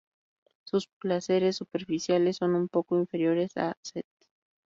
Sus placeres superficiales son un poco inferiores a "St.